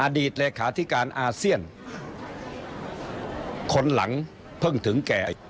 เลขาธิการอาเซียนคนหลังเพิ่งถึงแก่